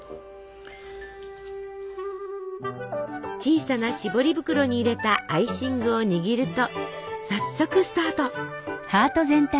小さな絞り袋に入れたアイシングを握ると早速スタート。